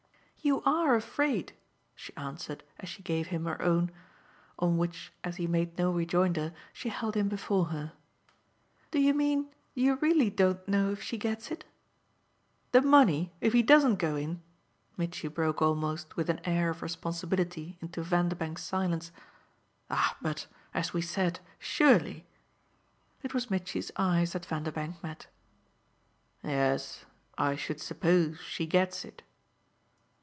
"You ARE afraid," she answered as she gave him her own; on which, as he made no rejoinder, she held him before her. "Do you mean you REALLY don't know if she gets it?" "The money, if he DOESN'T go in?" Mitchy broke almost with an air of responsibility into Vanderbank's silence. "Ah but, as we said, surely !" It was Mitchy's eyes that Vanderbank met. "Yes, I should suppose she gets it."